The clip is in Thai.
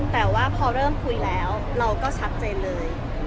แต่ว่าพอเริ่มคุยแล้วเราก็ชัดเจนเลย